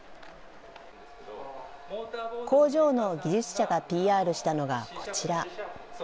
工場の技術者がＰＲしたのがこちら。